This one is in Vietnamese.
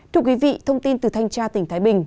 thưa quý vị thông tin từ thanh tra tỉnh thái bình